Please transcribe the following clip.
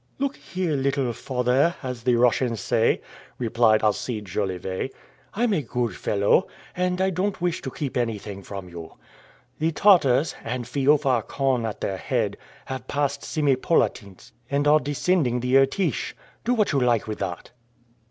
"Look here, little father, as the Russians say," replied Alcide Jolivet, "I'm a good fellow, and I don't wish to keep anything from you. The Tartars, and Feofar Khan at their head, have passed Semipolatinsk, and are descending the Irtish. Do what you like with that!"